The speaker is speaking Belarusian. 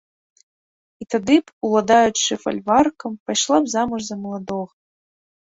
І тады б, уладаючы фальваркам, пайшла б замуж за маладога.